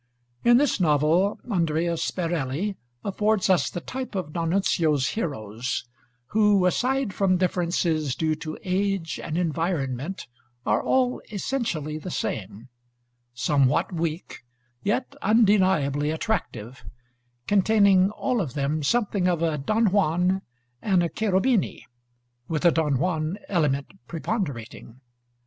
In this novel, Andrea Sperelli affords us the type of D'Annunzio's heroes, who, aside from differences due to age and environment, are all essentially the same, somewhat weak, yet undeniably attractive; containing, all of them, "something of a Don Juan and a Cherubini," with the Don Juan element preponderating.